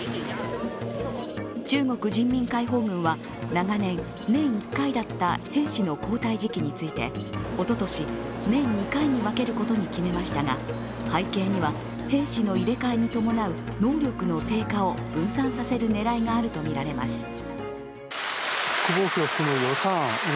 中国人民解放軍は、長年年１回だった兵士の交代時期についておととし、年２回に分けることに決めましたが、背景には兵士の入れ替えに伴う能力の低下を分散させる狙いがあるとみられます。